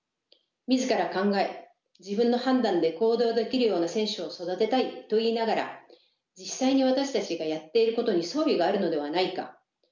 自ら考え自分の判断で行動できるような選手を育てたいと言いながら実際に私たちがやっていることに相違があるではないか？